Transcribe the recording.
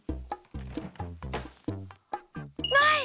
ない！